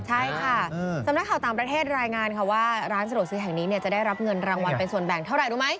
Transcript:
ใช่ค่ะสำนักข่าวต่างประเทศรายงานค่ะว่าร้านสะดวกซื้อแห่งนี้จะได้รับเงินรางวัลเป็นส่วนแบ่งเท่าไหร่รู้ไหม